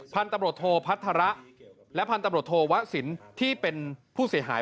พันธุ์ตำรวจโทพัฒระและพันธุ์ตำรวจโทวะสินที่เป็นผู้เสียหาย